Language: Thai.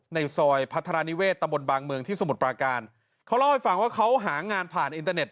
ในซอยพัฒนานิเวศตำบลบางเมืองที่สมุทรปราการเขาเล่าให้ฟังว่าเขาหางานผ่านอินเตอร์เน็